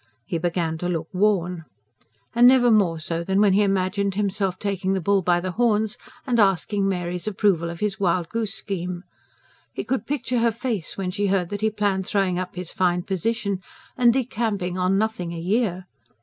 He began to look worn. And never more so than when he imagined himself taking the bull by the horns and asking Mary's approval of his wild goose scheme. He could picture her face, when she heard that he planned throwing up his fine position and decamping on nothing a year.